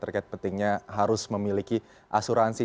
terkait pentingnya harus memiliki asuransi